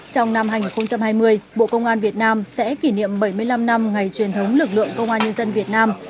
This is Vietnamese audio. trong năm hai nghìn hai mươi bộ công an việt nam sẽ kỷ niệm bảy mươi năm năm ngày truyền thống lực lượng công an nhân dân việt nam